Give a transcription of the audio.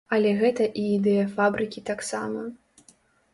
Але гэта і ідэя фабрыкі таксама.